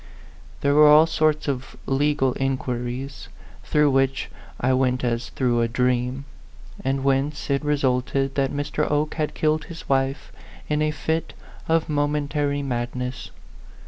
There were all sorts of legal in quiries, through which I went as through a dream; and whence it resulted that Mr. Oke had killed his wife in a fit of momentary madness.